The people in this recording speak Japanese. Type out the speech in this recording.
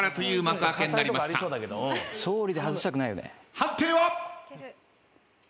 判定は？